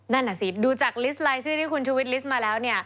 นั่นอ่ะสิดูจากลิสต์ไลน์ช่วยที่คุณชุวิตลิสต์มาแล้ว